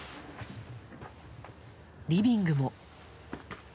リビングも。